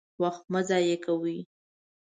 وخت مه ضايع کوئ!